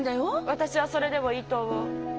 私はそれでもいいと思う。